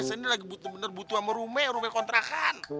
saya ini lagi bener bener butuh sama rumah yang rumah kontrakan